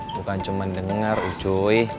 bukan cuman denger ucuy